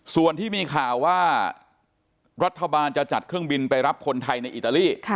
ส่วนที่มีข่าวว่ารัฐบาลจะจัดเครื่องบินไปรับคนไทยในอิตาลี